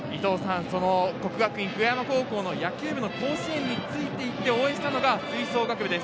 國學院久我山高校の野球部の甲子園について行って応援したのが吹奏楽部です。